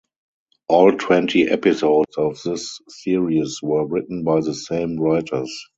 All twenty episodes of this series were written by the same writers.